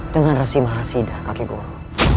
dengan resi mahasida kaki guru